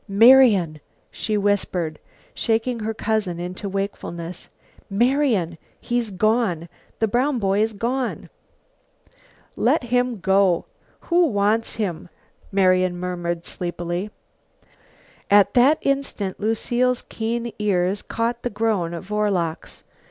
"Marian," she whispered, shaking her cousin into wakefulness. "Marian! He's gone. The brown boy's gone!" "Let him go. Who wants him?" Marian murmured sleepily. At that instant Lucile's keen ears caught the groan of oarlocks.